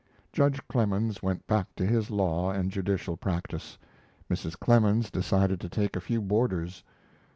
Judge Clemens went back to his law and judicial practice. Mrs. Clemens decided to take a few boarders.